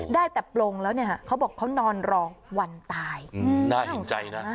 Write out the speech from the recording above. ได้แต่ปลงแล้วเนี่ยเขาบอกเขานอนรอวันตายน่าเห็นใจนะ